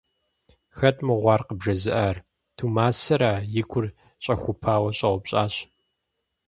Хэт мыгъуэ ар къыбжезыӀар? – Думэсарэ и гур щӀэхупауэ щӀэупщӀащ.